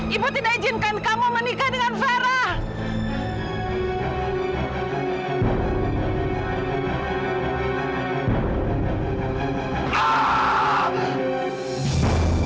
ibu tidak izinkan kamu menikah dengan farah